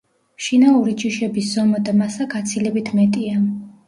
შინაური ჯიშების ზომა და მასა გაცილებით მეტია.